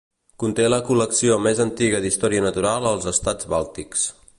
Conté la col·lecció més antiga d'història natural als Estats bàltics.